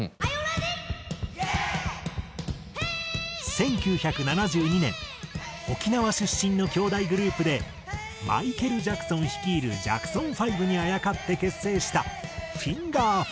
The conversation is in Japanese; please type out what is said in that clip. １９７２年沖縄出身のきょうだいグループでマイケル・ジャクソン率いるジャクソン５にあやかって結成したフィンガー５。